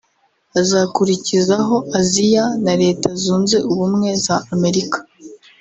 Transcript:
azakurikizaho Aziya na Leta Zunze Ubumwe za Amerika